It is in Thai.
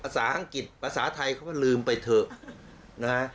ภาษาอังกฤษภาษาไทยเขาว่าลืมไปเถอะ